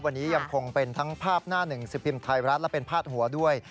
วันนี้ยังคงเป็นทั้งภาพหน้าหนึ่งสิบพิมพ์ไทยรัฐและเป็นพาดหัวด้วย